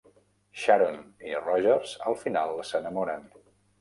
Sharon i Rogers al final s'enamoren.